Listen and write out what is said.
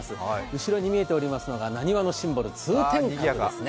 後ろに見えておりますのが、なにわのシンボル通天閣ですね。